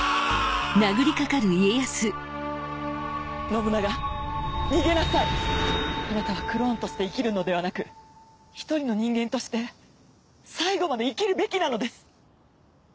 信長逃げなさいあなたはクローンとして生きるのではなく一人の人間として最後まで生きるべきなのです！